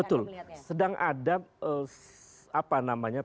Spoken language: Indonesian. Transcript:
betul sedang ada apa namanya